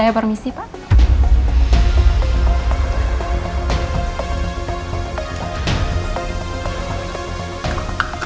saya permisi pak